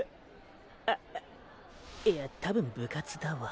あいや多分部活だわ。